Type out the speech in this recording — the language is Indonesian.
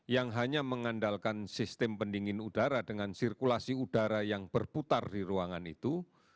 yang hanya mengandalkan sistem pendingin udara dengan sirkulasi udara yang berputar di ruangan itu